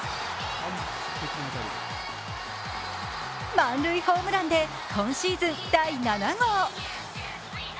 満塁ホームランで今シーズン第７号。